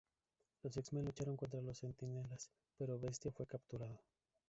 Los X-Men lucharon contra los Centinelas, pero Bestia fue capturado.